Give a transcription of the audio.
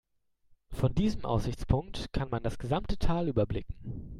Von diesem Aussichtspunkt kann man das gesamte Tal überblicken.